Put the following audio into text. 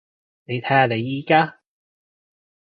你睇下你而家？